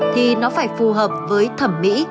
thì nó phải phù hợp với thẩm mỹ